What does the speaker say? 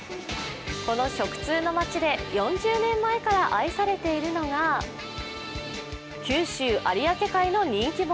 この食通の街で４０年前から愛されているのが、九州・有明海の人気者